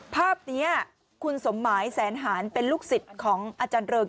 ภาพนี้คุณสมหมายแสนหารเป็นลูกศิษย์ของอาจารย์เริง